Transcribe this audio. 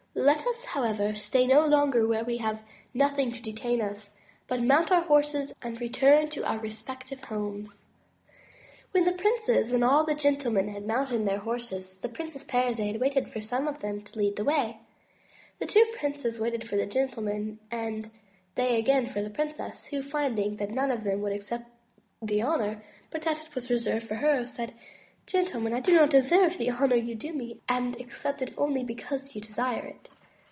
Let us how ever stay no longer where we have nothing to detain us; but mount our horses and return to our respective homes." 71 MY BOOK HOUSE When the princes and all the gentlemen had mounted their horses, the Princess Parizade waited for some of them to lead the way. The two princes waited for the gentlemen, and they again for the princess, who, finding that none of them would accept the honor, but that it was reserved for her, said: "Gentle men, I do not deserve the honor you do me, and accept it only because you desire it."